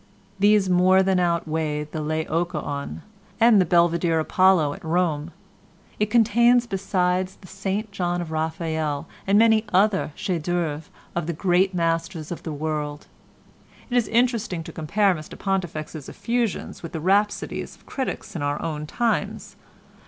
These more than outweigh the Laocoon and the Belvedere Apollo at Rome. It contains, besides, the St John of Raphael and many other chefs d'œuvre of the greatest masters in the world." It is interesting to compare Mr Pontifex's effusions with the rhapsodies of critics in our own times.